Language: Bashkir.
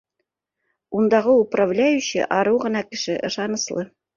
Ундағы управляющий арыу ғына кеше, ышаныслы.